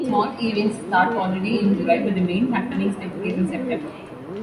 Small events start already in July, but the main happenings take place in September.